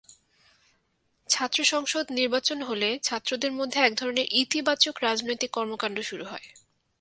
ছাত্রসংসদ নির্বাচন হলে ছাত্রদের মধ্যে একধরনের ইতিবাচক রাজনৈতিক কর্মকাণ্ড শুরু হয়।